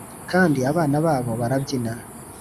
kandi abana babo barabyina